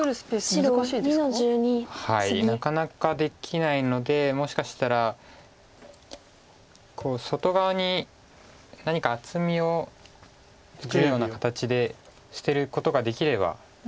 なかなかできないのでもしかしたら外側に何か厚みを作るような形で捨てることができれば。